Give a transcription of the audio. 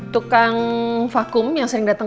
tukang vakum yang sering datang